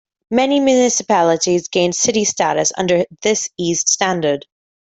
Many municipalities gained city status under this eased standard.